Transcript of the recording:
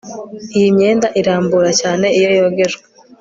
Iyi myenda irambura cyane iyo yogejwe